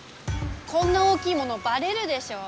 こんな大きいものバレるでしょ？